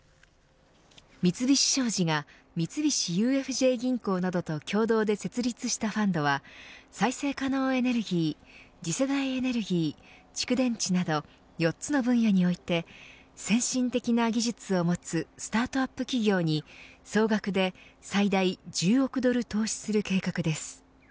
三菱商事が三菱ＵＦＪ銀行などと共同に設立したファンドは再生可能エネルギー次世代エネルギー蓄電池など４つの分野において先進的な技術を持つスタートアップ企業に総額で最大１０憶ドル投資する計画です。